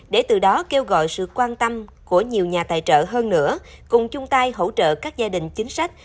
để từ đó kêu gọi sự quan tâm của nhiều nhà tài trợ hơn nữa cùng chung tay hỗ trợ các gia đình chính sách